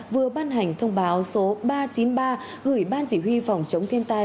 vừa ban hành thông báo số ba trăm chín mươi ba gửi ban chỉ huy phòng chống thiên tai